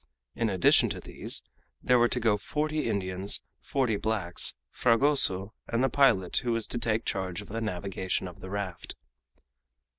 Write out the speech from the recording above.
In addition to these, there were to go forty Indians, forty blacks, Fragoso, and the pilot who was to take charge of the navigation of the raft.